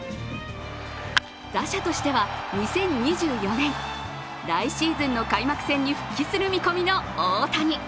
打者としては２０２４年、来シーズンの開幕戦に復帰する見込みの大谷。